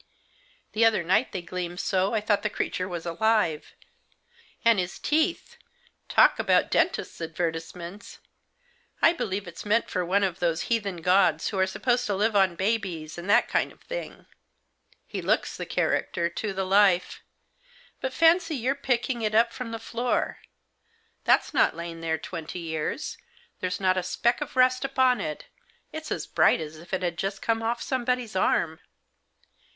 The other night they gleamed so I thought the creature was alive. And his teeth — talk about dentist's advertisements ! I believe it's meant for one of those heathen gods who are supposed to live on babies, and that kind of thing. He| looks the character to the life. But fancy your 5 Digitized by 66 THE JOSS. picking it up from the floor ! That's not lain there twenty years. There's not a speck of rust upon it. It's as bright as if it had just come off somebody's arm."